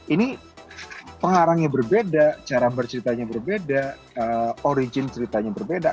ini pengarangnya berbeda cara berceritanya berbeda origin ceritanya berbeda